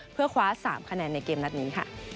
เพื่อคว้าสามคะแนนในเกมนั้นนี้